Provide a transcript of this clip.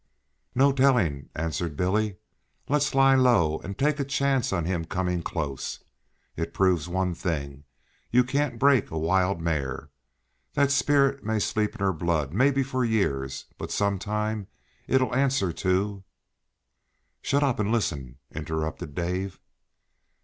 "No telling," answered Billy. "Let's lie low, and take a chance on him coming close. It proves one thing you can't break a wild mare. That spirit may sleep in her blood, maybe for years, but some time it'll answer to " "Shut up listen," interrupted Dave.